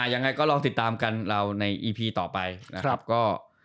ยังไงก็ลองติดตามกันเราในอีพีต่อไปนะครับ